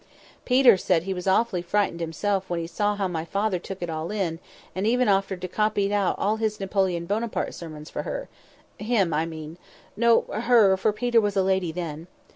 Peter said he was awfully frightened himself when he saw how my father took it all in, and even offered to copy out all his Napoleon Buonaparte sermons for her—him, I mean—no, her, for Peter was a lady then.